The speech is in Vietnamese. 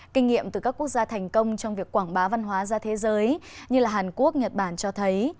kinh nghiệm từ các quốc gia thành công trong việc quảng bá văn hóa ra thế giới như hàn quốc nhật bản cho thấy